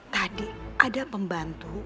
tadi ada pembantu